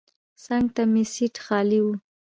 څنګ ته مې سیټ خالي و.